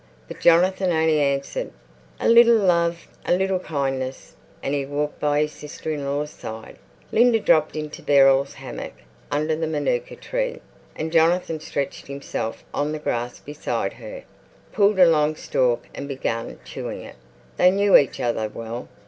But Jonathan only answered, "A little love, a little kindness;" and he walked by his sister in law's side. Linda dropped into Beryl's hammock under the manuka tree, and Jonathan stretched himself on the grass beside her, pulled a long stalk and began chewing it. They knew each other well.